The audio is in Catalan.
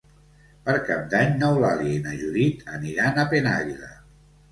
Per Cap d'Any n'Eulàlia i na Judit aniran a Penàguila.